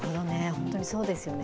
本当にそうですよね。